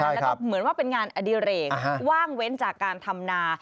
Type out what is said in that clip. แล้วก็เหมือนว่าเป็นงานอดิเรกว่างเว้นจากการทำนา